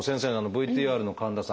ＶＴＲの神田さん